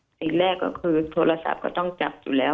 สิ่งแรกก็คือโทรศัพท์ก็ต้องจับอยู่แล้ว